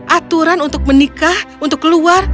aturan untuk menikah untuk keluar